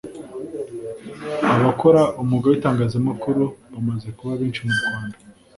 abakora umwuga w’itangazamakuru bamaze kuba benshi mu rwanda